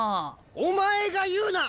お前が言うな！